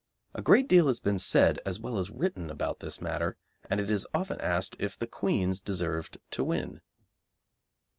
A great deal has been said, as well as written, about this matter, and it is often asked if the "Queens" deserved to win.